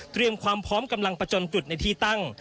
ความพร้อมกำลังประจนจุดในที่ตั้ง